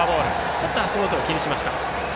ちょっと足元を気にしました。